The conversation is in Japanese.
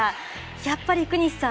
やっぱり、福西さん。